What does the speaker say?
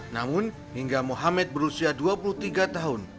namun hingga mohamed berusia dua puluh tiga tahun